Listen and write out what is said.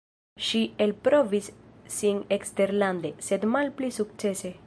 Ŝi elprovis sin eksterlande, sed malpli sukcese.